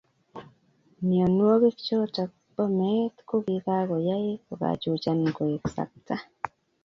Mionwogiichotok bo meet kokikakoyai kokachuchan koek sapta